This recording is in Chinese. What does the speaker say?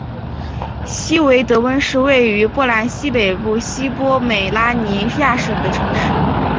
希维德温是位于波兰西北部西波美拉尼亚省的城市。